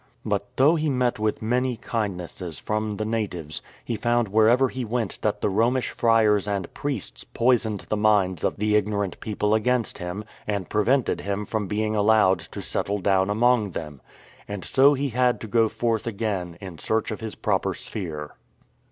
But though he met with many kindnesses from the natives, he found wherever he went that the Romish friars and priests poisoned the minds of the ignorant people against him and prevented him from being allowed to settle down among them. And so he had to go forth again in search of his proper sphere.